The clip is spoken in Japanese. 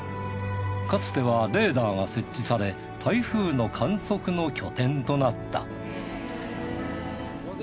かつてはレーダーが設置され台風の観測の拠点となった。